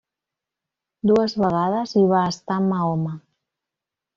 Dues vegades hi va estar Mahoma.